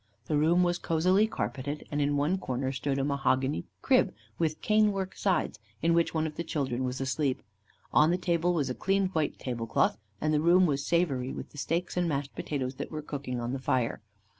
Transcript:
The room was cosily carpeted; and in one corner stood a mahogany 'crib,' with cane work sides, in which one of the children was asleep. On the table was a clean white table cloth, and the room was savoury with the steaks and mashed potatoes that were cooking on the fire.